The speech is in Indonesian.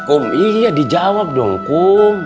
kum iya dijawab dong kum